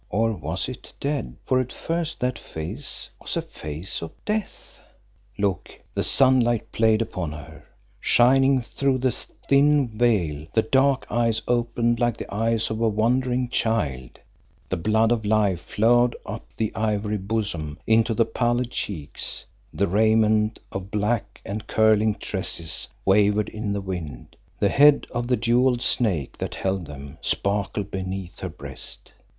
Or was it dead, for at first that face was a face of death? Look, the sunlight played upon her, shining through the thin veil, the dark eyes opened like the eyes of a wondering child; the blood of life flowed up the ivory bosom into the pallid cheeks; the raiment of black and curling tresses wavered in the wind; the head of the jewelled snake that held them sparkled beneath her breast.